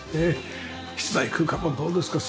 室内空間もどうですか？